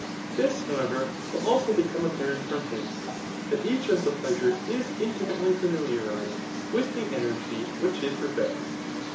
This» however, will also be come apparent from hence, that each of the pleasures is intimately familiarized with the energy which it perfects.